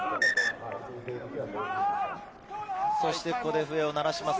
ここで笛を鳴らします。